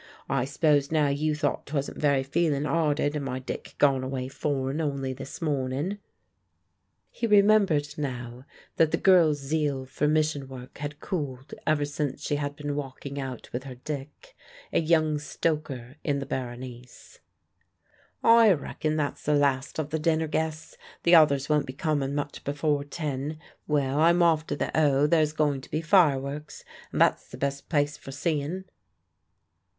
I s'pose now you thought 'twasn't very feelin' 'earted, and my Dick gone away foreign only this mornin'?" He remembered now that the girl's zeal for Mission work had cooled ever since she had been walking out with her Dick a young stoker in the Berenice. "I reckon that's the last of the dinner guests. The others won't be comin' much before ten. Well, I'm off to the 'Oe; there's going to be fireworks, and that's the best place for seein'."